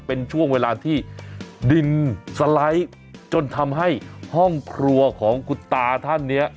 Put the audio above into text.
เป็นช่วงเวลาที่ดินสไลด์จนทำให้ห้องครัวของคุณตาท่านเนี่ย